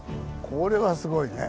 これはすごいね。